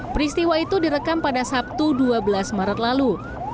peristiwa itu direkam pada sabtu dua belas maret lalu